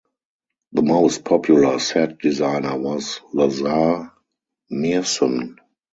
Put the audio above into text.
The most popular set designer was Lazare Meerson.